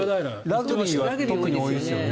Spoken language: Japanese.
ラグビーは特に多いですよね。